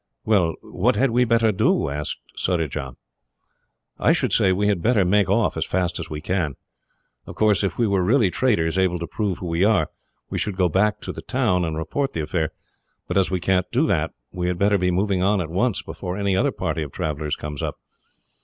"Well, what had we better do?" asked Surajah. "I should say we had better make off, as fast as we can. Of course, if we were really traders, able to prove who we are, we should go back to the town and report the affair; but as we can't do that, we had better be moving on at once, before any other party of travellers comes up.